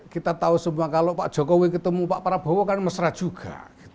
kita tahu semua kalau pak jokowi ketemu pak prabowo kan mesra juga